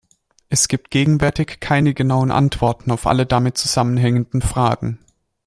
Es gibt gegenwärtig keine genauen Antworten auf alle damit zusammenhängenden Fragen.